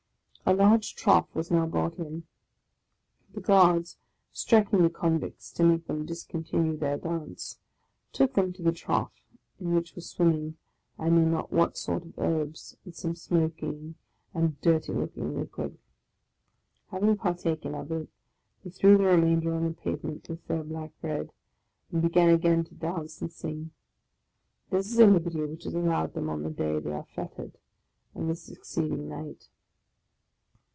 A large trough was now brought in; the guards, striking the convicts to make them discontinue their dance, took them to the trough, in which was swimming I know not what sort of herbs in some smoking and dirty looking liquid. Having partaken of it, they threw the remainder on the pavement, with their black bread, and began again to dance and sing. This is a liberty which is allowed them on the day they are fettered and the succeeding night.